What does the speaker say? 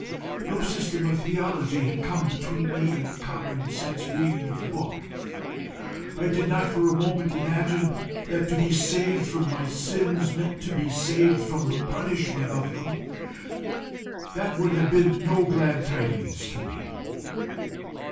No system of theology had come between me and a common sense reading of the book. I did not for a moment imagine that to be saved from my sins meant to be saved from the punishment of them. That would have been no glad tidings to me.